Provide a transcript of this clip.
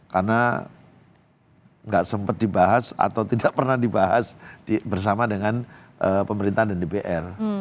karena nggak sempat dibahas atau tidak pernah dibahas bersama dengan pemerintah dan dpr